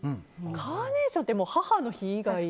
カーネーションって母の日以外。